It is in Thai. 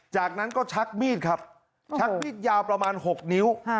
จากนั้นก็ชักมีดครับชักมีดยาวประมาณ๖นิ้ว